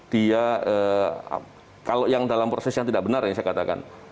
dia kalau yang dalam proses yang tidak benar yang saya katakan